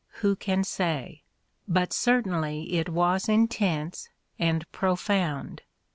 Who can say? But certainly it was intense and profound.